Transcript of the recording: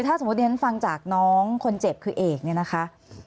ถ้าสมมุติฉันฟังจากน้องคนเจ็บคือเอกเนี่ยนะคะ